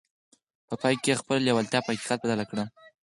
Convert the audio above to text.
په پای کې يې خپله لېوالتیا په حقيقت بدله کړه.